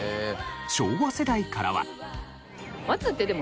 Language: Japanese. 昭和世代からは。